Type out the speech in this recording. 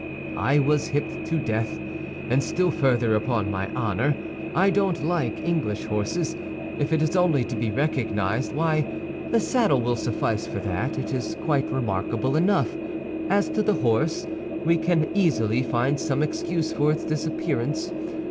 "I was hipped to death; and still further, upon my honor, I don't like English horses. If it is only to be recognized, why the saddle will suffice for that; it is quite remarkable enough. As to the horse, we can easily find some excuse for its disappearance.